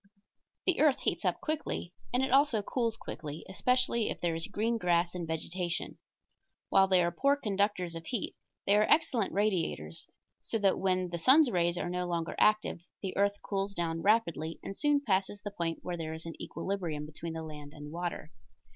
The earth heats up quickly, and it also cools quickly, especially if there is green grass and vegetation. While they are poor conductors of heat, they are excellent radiators, so that when the sun's rays are no longer active the earth cools down rapidly and soon passes the point where there is an equilibrium between the land and water.